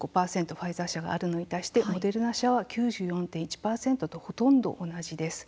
ファイザー社があるのに対してモデルナ社は９４．１％とほとんど同じです。